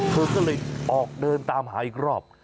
เธอก็เลยออกเดินตามหาอีกรอบ